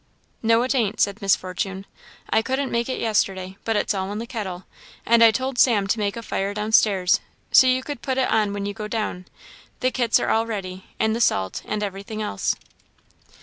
"No, it ain't," said Miss Fortune, "I couldn't make it yesterday; but it's all in the kettle, and I told Sam to make a fire down stairs, so you can put it on when you do down. The kits are all ready, and the salt, and everything else."